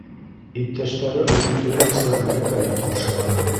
Иптәштәре уны төрлөсә мәрәкәләп ҡаршыланы.